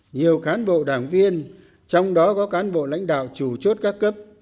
nhiều cán bộ đảng viên trong đó có cán bộ lãnh đạo chủ chốt các cấp